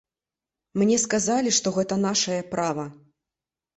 Мне сказалі, што гэта нашае права.